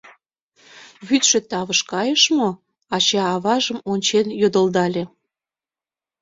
— Вӱдшӧ тавыш кайыш мо? — ача-аважым ончен йодылдале.